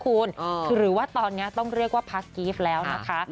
คือหรือว่าตอนนี้ต้องเรียกว่าพักกรีฟแล้วนะคะ